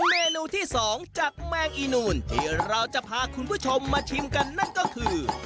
เมนูที่๒จากแมงอีนูนที่เราจะพาคุณผู้ชมมาชิมกันนั่นก็คือ